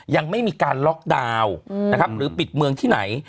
ยังไม่มีการล็อกดาวน์นะครับหรือปิดเมืองที่ไหน